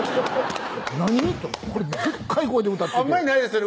「何？」とでっかい声で歌っててあんまりないですよね